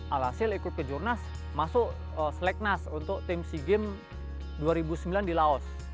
alhasil ikut ke jurnas masuk selek nas untuk tim sea games dua ribu sembilan di laos